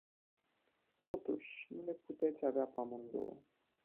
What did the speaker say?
Totuși, nu le puteți avea pe amândouă!